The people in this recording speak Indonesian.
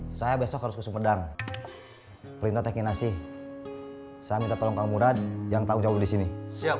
hai saya besok harus ke sumedang perintah teknik nasi saya minta tolong kang murad yang tahu disini siap